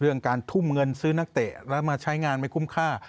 การทุ่มเงินซื้อนักเตะแล้วมาใช้งานไม่คุ้มค่า